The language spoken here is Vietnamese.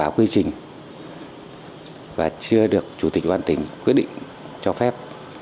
quyết định cho phép